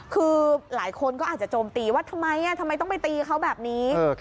คือหลายคนก็อาจจะโจมตีว่าทำไมทำไมต้องไปตีเขาแบบนี้